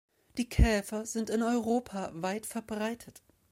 Die Käfer sind in Europa weit verbreitet.